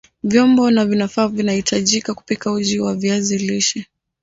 Vyombo na vifaa vinavyahitajika kupika uji wa viazi lishe